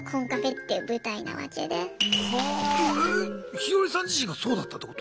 ヒヨリさん自身がそうだったってこと？